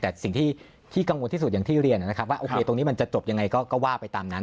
แต่สิ่งที่กังวลที่สุดอย่างที่เรียนนะครับว่าโอเคตรงนี้มันจะจบยังไงก็ว่าไปตามนั้น